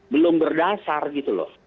belum berdasar gitu loh